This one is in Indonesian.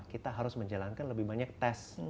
kita harus menjalankan lebih banyak tes